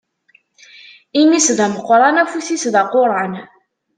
Imi-s d ameqran, afus-is d aquran.